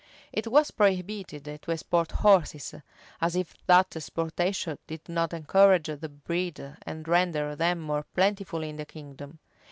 [*] It was prohibited to export horses; as if that exportation did not encourage the breed, and render them more plentiful in the kingdom.